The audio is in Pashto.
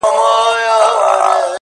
خود دي خالـونه پــه واوښتــل